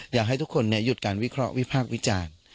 อยากให้ทุกคนหยุดการวิเคราะห์วิพากษ์วิจารณ์